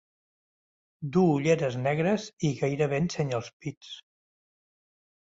Du ulleres negres i gairebé ensenya els pits.